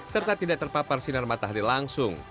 serta tidak terpapar sinar matahari langsung